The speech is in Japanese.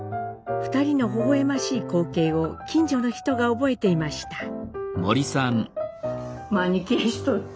２人のほほ笑ましい光景を近所の人が覚えていました。